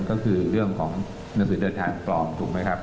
ก็คือเรื่องของหนังสือเดินทางปลอมถูกไหมครับ